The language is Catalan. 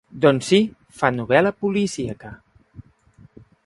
Doncs sí, fa novel·la policíaca.